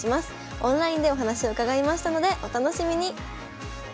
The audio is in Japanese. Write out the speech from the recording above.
オンラインでお話を伺いましたのでお楽しみに。